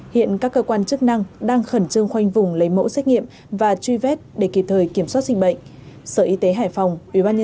hiện các cơ quan chức năng đang khẩn trương khoanh vùng lấy mẫu xét nghiệm và truy vết để kịp thời kiểm soát sinh bệnh